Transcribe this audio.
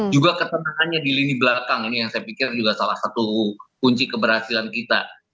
juga ketenangannya di lini belakang ini yang saya pikir juga salah satu kunci keberhasilan kita